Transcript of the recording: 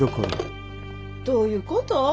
どういうこと？